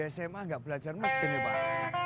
sma nggak belajar mesin ya pak